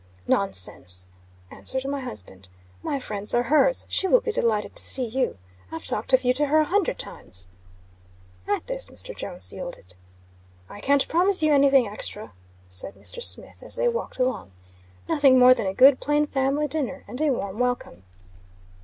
"Nonsense!" answered my husband. "My friends are hers. She will be delighted to see you. I've talked of you to her a hundred times." At this Mr. Jones yielded. "I can't promise you any thing extra," said Mr. Smith, as they walked along. "Nothing more than a good, plain family dinner, and a warm welcome."